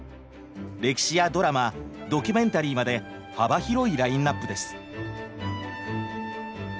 歴史やドラマドキュメンタリーまで幅広いラインナップです。